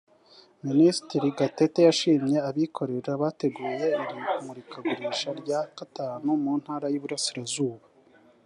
Minisitiri Gatete yashimye abikorera bateguye iri murikagurisha rya gatanu mu ntara y’iburasirazuba